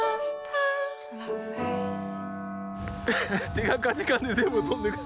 手がかじかんで全部飛んでく。